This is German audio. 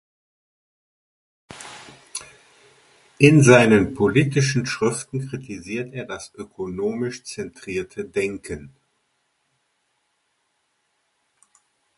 In seinen politischen Schriften kritisiert er das ökonomisch zentrierte Denken.